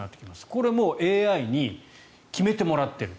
これもうＡＩに決めてもらっている。